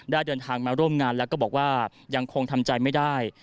เดินทางมาร่วมงานแล้วก็บอกว่ายังคงทำใจไม่ได้